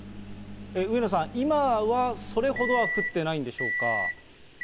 上野さん、今はそれほどは降っていないんでしょうか。